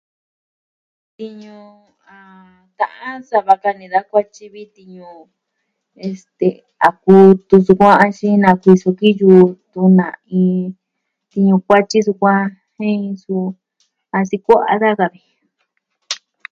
Tiñu a ta'an sava ka ini da kuatyi vi tiñu a kutu sukuan axin nakuiso ki yutun na iin tiñu kuatyi sukuan jen su a sikua'a daja ka.